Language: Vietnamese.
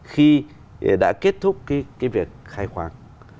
khi đã kết thúc việc khai khoảng